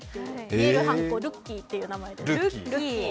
見えるはんこ、ルッキーというそうです。